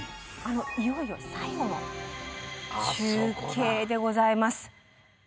いよいよ最後の中継でございます。